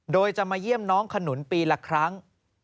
โดยจะมาเยี่ยมน้องขนุนปีละครั้ง